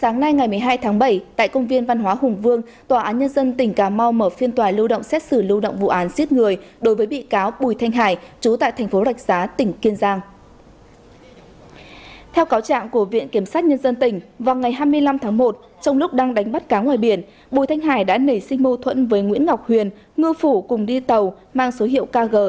các bạn hãy đăng ký kênh để ủng hộ kênh của chúng mình nhé